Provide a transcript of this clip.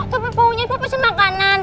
tapi baunya itu pesen makanan